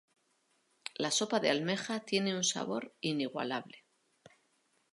La sopa de almeja tiene un sabor inigualable.